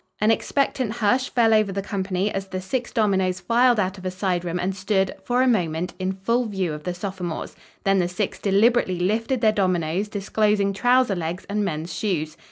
An expectant hush fell over the company as the six dominoes filed out of a side room and stood, for a moment, in full view of the sophomores. Then the six deliberately lifted their dominoes, disclosing trouser legs and men's shoes.